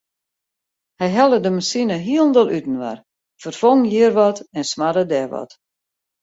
Hy helle de masine hielendal útinoar, ferfong hjir wat en smarde dêr wat.